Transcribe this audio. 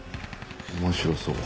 面白そう。